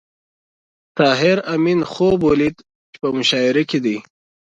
طاهر آمین خوب ولید چې په مشاعره کې دی